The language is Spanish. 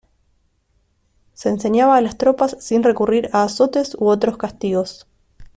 Se enseñaba a las tropas sin recurrir a azotes u otros castigos.